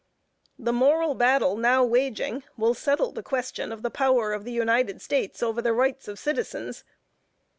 The moral battle now waging will settle the question of the power of the United States over the rights of citizens.